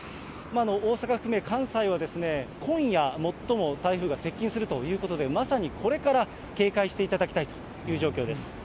大阪含め関西は、今夜、最も台風が接近するということで、まさにこれから警戒していただきたいという状況です。